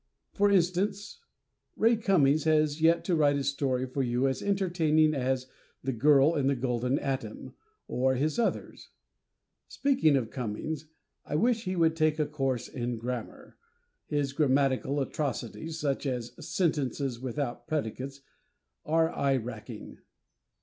For instance, Ray Cummings has yet to write a story for you as entertaining as "The Girl in the Golden Atom" or his others. Speaking of Cummings, I wish he would take a course in grammar. His grammatical atrocities such as sentences without predicates are eye wracking.